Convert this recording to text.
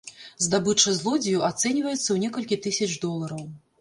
Здабыча злодзеяў ацэньваецца ў некалькі тысяч долараў.